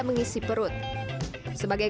mengisi perut sebagai